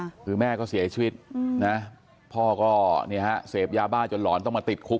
คือแม่ก็เสียชีวิตพอก็เสพยาบ้าจนหลอนต้องมาติดคุก